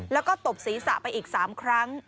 แล้วก็ตบศีรษะไปอีก๓ครั้ง